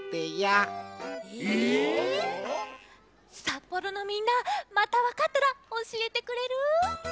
札幌のみんなまたわかったらおしえてくれる？